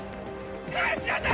返しなさい！